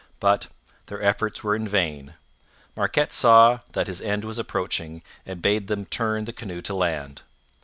But their efforts were in vain; Marquette saw that his end was approaching and bade them turn the canoe to land.